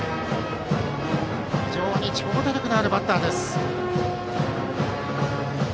非常に長打力のあるバッターです。